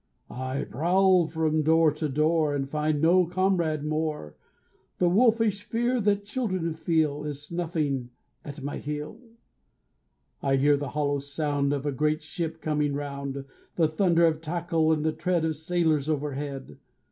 I prowl from door to door, And find no comrade more. The wolfish fear that children feel Is snuffing at my heel. I hear the hollow sound Of a great ship coming round, The thunder of tackle and the tread Of sailors overhead.